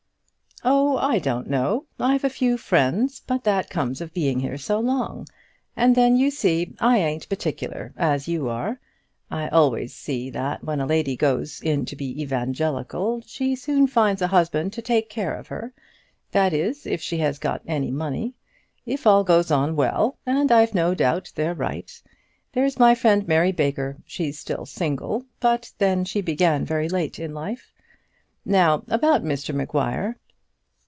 "Oh, I don't know. I've a few friends, but that comes of being here so long. And then, you see, I ain't particular as you are. I always see that when a lady goes in to be evangelical, she soon finds a husband to take care of her; that is, if she has got any money. It all goes on very well, and I've no doubt they're right. There's my friend Mary Baker, she's single still; but then she began very late in life. Now about Mr Maguire."